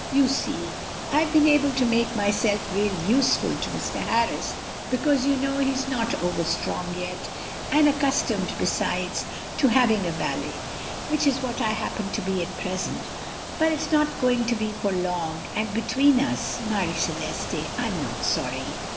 You see, I've been able to make myself real useful to Mr. Harris, because, you know, he's not overstrong yet, and accustomed, besides, to having a valet which is what I happen to be at present; but it's not going to be for long, and between us, Marie Celeste, I'm not sorry.